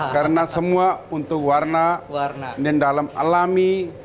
karena semua untuk warna dan dalam alami